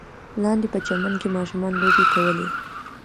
لاندې په چمن کې ماشومانو لوبې کولې.